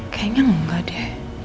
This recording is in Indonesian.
kayaknya enggak deh